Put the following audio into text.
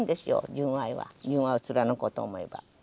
純愛を貫こうと思えば。